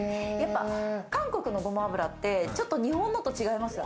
韓国のごま油って、ちょっと日本のと違いますよね。